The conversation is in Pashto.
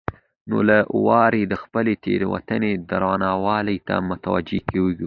نو له واره د خپلې تېروتنې درونوالي ته متوجه کېږو.